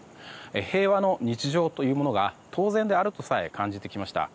平和の日常というものが当然であるとさえ感じてきました。